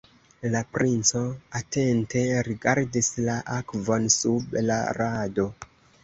La princo atente rigardis la akvon sub la rado.